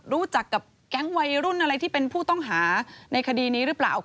รู้จักกับแก๊งวัยรุ่นอะไรที่เป็นผู้ต้องหาในคดีนี้หรือเปล่า